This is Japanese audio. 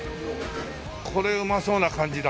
これうまそうな感じだ。